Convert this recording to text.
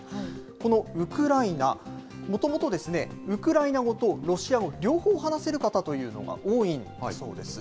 このウクライナ、もともと、ウクライナ語とロシア語、両方話せる方というのが多いんだそうです。